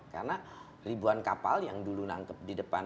karena ribuan kapal yang dulu nangkep di depan